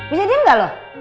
bisa diam gak lo